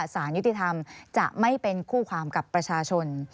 สารยุติธรรมจะไม่เป็นคู่ความกับประชาชน